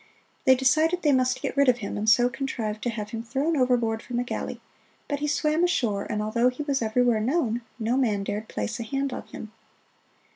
They decided they must get rid of him, and so contrived to have him thrown overboard from a galley; but he swam ashore, and although he was everywhere known, no man dared place a hand on him.